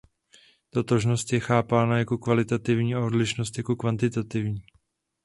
Totožnost je chápána jako kvalitativní a odlišnost jako kvantitativní.